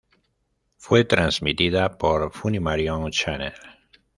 Fue transmitida por Funimation Channel.